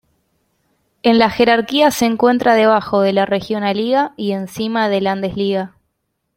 En la jerarquía se encuentra debajo de la Regionalliga y encima de la Landesliga.